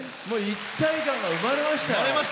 一体感が生まれましたよ。